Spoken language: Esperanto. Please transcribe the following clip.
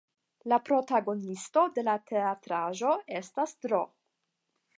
La protagonisto de la teatraĵo estas Dro.